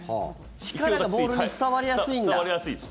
力がボールに伝わりやすいんだ。